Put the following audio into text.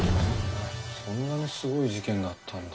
そんなにすごい事件だったんだ。